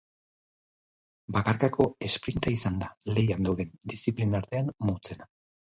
Bakarkako esprinta izan da, lehian dauden diziplinen artean motzena.